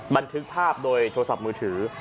บันทึกภาพโดยโทรศัพท์มือถือ